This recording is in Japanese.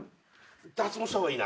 脱毛した方がいいな。